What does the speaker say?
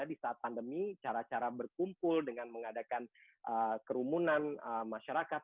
di saat pandemi cara cara berkumpul dengan mengadakan kerumunan masyarakat